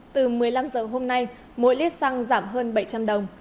từ một mươi năm giờ hôm nay mỗi lít xăng giảm hơn bảy trăm linh đồng